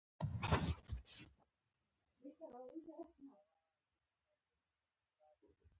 رسمي جریده ولې مهمه ده؟